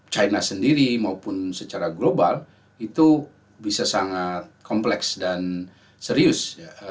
china sendiri maupun secara global itu bisa sangat kompleks dan serius